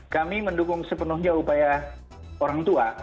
kami mendukung sepenuhnya upaya orang tua